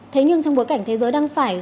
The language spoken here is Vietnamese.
thế nhưng trong bối cảnh thế giới đang phải